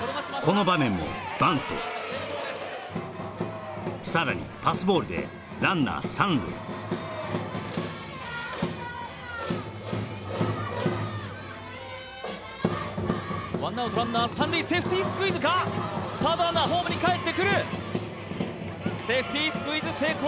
この場面もバントさらにパスボールでランナー三塁ワンナウトランナー三塁セーフティースクイズかサードランナーホームにかえってくるセーフティースクイズ成功